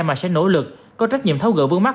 mà sẽ nỗ lực có trách nhiệm tháo gỡ vướng mắt